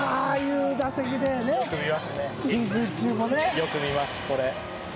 よく見ますこれ。